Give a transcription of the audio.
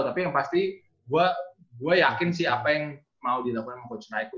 tapi yang pasti gue yakin sih apa yang mau dilakukan sama coach miko